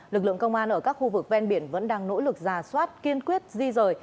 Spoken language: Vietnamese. lực lượng công an ở các khu vực ven biển vẫn đang nỗ lực giả soát kiên quyết di rời